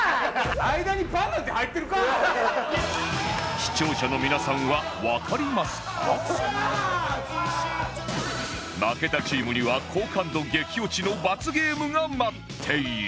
視聴者の負けたチームには好感度激落ちの罰ゲームが待っている